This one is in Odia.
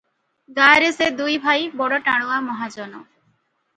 ଗାଁ ରେ ସେ ଦୁଇ ଭାଇ ବଡ ଟାଣୁଆ ମହାଜନ ।